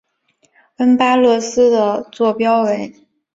恩巴勒斯的座标为。